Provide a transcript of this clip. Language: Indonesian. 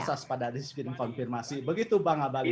asas pada resmi konfirmasi begitu bang abalin